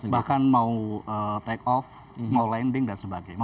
bahkan mau take off mau landing dan sebagainya